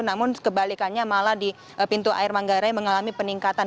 namun kebalikannya malah di pintu air manggarai mengalami peningkatan